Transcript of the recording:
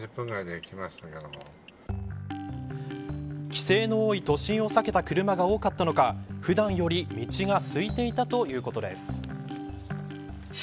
規制の多い都心を避けた車が多かったのか普段より道がすいていたということです。